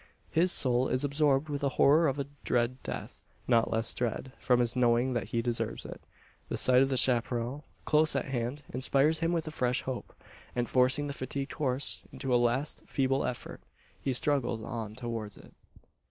His soul is absorbed with the horror of a dread death not less dread, from his knowing that he deserves it. The sight of the chapparal, close at hand, inspires him with a fresh hope; and, forcing the fatigued horse into a last feeble effort, he struggles on towards it.